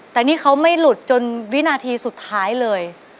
แต่นี่เขาไม่หลุดจนวินาทีสุดท้ายเลย